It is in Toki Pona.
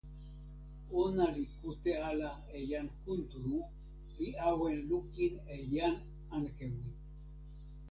ona li kute ala e jan Kuntuli, li awen lukin e jan Ankewi.